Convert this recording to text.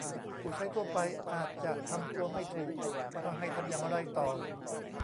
ผู้ใช้ทั่วไปอาจจะทำตัวไม่ถูกว่าให้ทำอย่างไรต่อ